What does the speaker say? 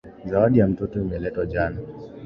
Zawadi ya mtoto imeletwa jana.